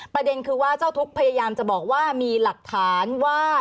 ประเด็นคือว่าเจ้าทุกข์พยายามจะบอกว่ามีหลักฐานว่า